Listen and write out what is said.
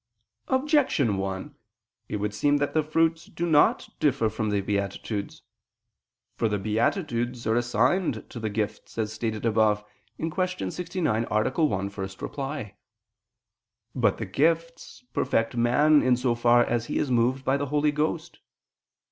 Objection 1: It would seem that the fruits do not differ from the beatitudes. For the beatitudes are assigned to the gifts, as stated above (Q. 69, A. 1, ad 1). But the gifts perfect man in so far as he is moved by the Holy Ghost.